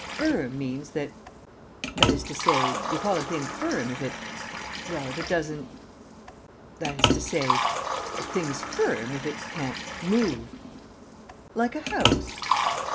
'Firm' means that that is to say, you call a thing firm if it well, if it doesn't that is to say, a thing is firm if it can't move." "Like a house?"